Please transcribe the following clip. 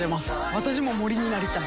私も森になりたい。